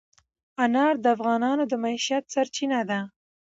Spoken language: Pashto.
انار د افغانانو د معیشت سرچینه ده.